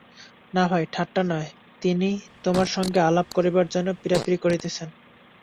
না ভাই, ঠাট্টা নয়–তিনি তোমার সঙ্গে আলাপ করিবার জন্য পীড়াপীড়ি করিতেছেন।